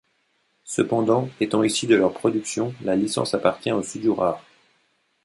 Cependant, étant issue de leur production, la licence appartient aux studios Rare.